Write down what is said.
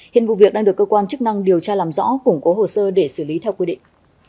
hiện vụ việc đang được cơ quan chức năng điều tra làm rõ củng cố hồ sơ để xử lý theo quy định